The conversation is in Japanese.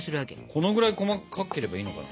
このぐらい細かければいいのかな？